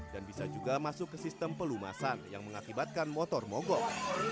dan bisa juga masuk ke sistem pelumasan yang mengakibatkan motor mogok